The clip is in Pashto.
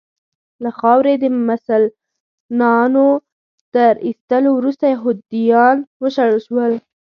له خاورې د مسلنانو تر ایستلو وروسته یهودیان وشړل شول.